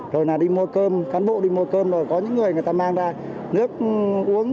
rồi là đi mua cơm cán bộ đi mua cơm rồi có những người người ta mang ra nước uống